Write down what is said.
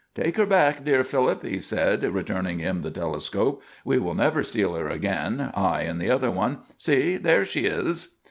"Take her back, dear Philip," he said, returning him the telescope. "We will never steal her again I and the other one. See, there she is!"